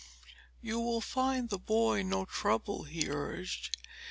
'You will find the boy no trouble,' he urged.